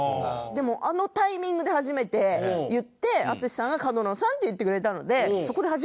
でもあのタイミングで初めて言って淳さんが「角野さん」って言ってくれたので。